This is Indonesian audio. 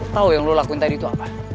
tau yang lo lakuin tadi itu apa